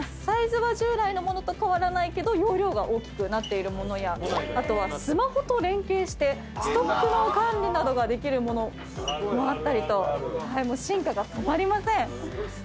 サイズは従来のものと変わらないけど容量が大きくなっているものやあとはスマホと連携してストックの管理などができるものもあったりと進化が止まりません。